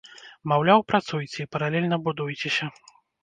Маўляў, працуйце, і паралельна будуйцеся!